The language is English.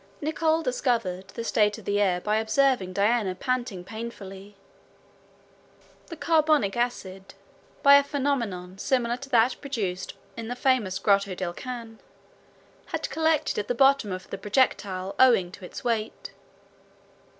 Nicholl discovered the state of the air by observing Diana panting painfully. The carbonic acid, by a phenomenon similar to that produced in the famous Grotto del Cane, had collected at the bottom of the projectile owing to its weight.